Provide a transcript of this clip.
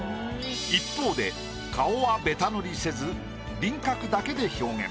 一方で顔はベタ塗りせず輪郭だけで表現。